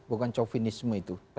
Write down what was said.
bukan covinisme itu